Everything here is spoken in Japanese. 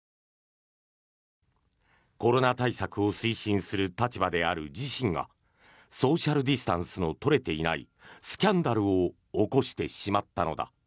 コロナ対策を推進する立場である自身がソーシャル・ディスタンスの取れていないスキャンダルを起こしてしまったのだ。